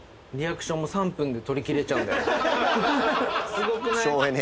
すごくない？